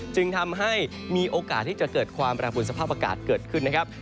จึงทำให้มีโอกาสที่จะเกิดความแปรปวนสภาพอากาศเกิดขึ้นนะครับ